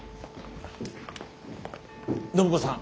暢子さん。